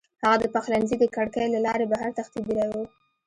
هغه د پخلنځي د کړکۍ له لارې بهر تښتېدلی و